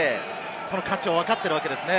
この価値を、わかってるわけですね。